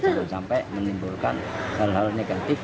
jangan sampai menimbulkan hal hal negatif